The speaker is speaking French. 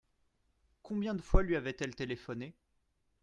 Combien de fois lui avaient-elles téléphoné ?